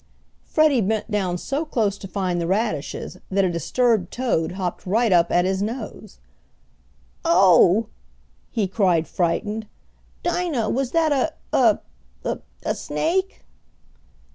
Freddie bent down so close to find the radishes that a disturbed toad hopped right up at his nose. "Oh!" he cried, frightened. "Dinah, was that a a a snake?"